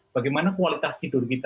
bagaimana kualitas tidur